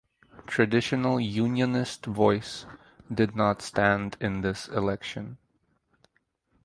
Traditional Unionist Voice did not stand in this election.